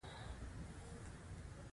کله یو او کله دوه سېلابه دی.